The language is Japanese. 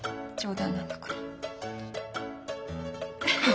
冗談なんだから。